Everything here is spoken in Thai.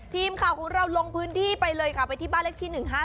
ทีมข่าวของเราลงพื้นที่ไปเลยค่ะไปที่บ้านเลขที่๑๕๗